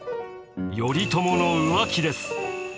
頼朝の浮気です。